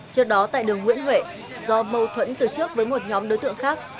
trước đó tại đường nguyễn huệ do mâu thuẫn từ trước với một nhóm đối tượng khác